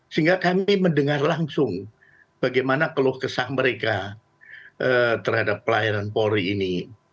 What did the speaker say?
sehingga kami mendengar langsung bagaimana keluh kesah mereka terhadap pelayanan polri ini